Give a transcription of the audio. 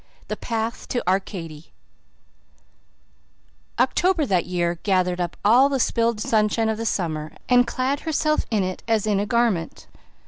THE PATH TO ARCADY October that year gathered up all the spilled sunshine of the summer and clad herself in it as in a garment.